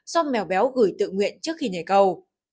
do mèo béo gửi tự nguyện trước khi nhảy cầu